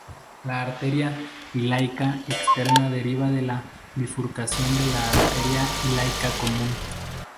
La arteria ilíaca externa deriva de la bifurcación de la arteria ilíaca común.